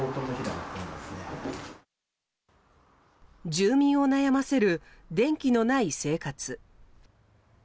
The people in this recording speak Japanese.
住民を悩ませる電気のない生活。